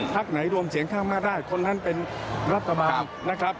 ไหนรวมเสียงข้างมากได้คนนั้นเป็นรัฐบาลนะครับ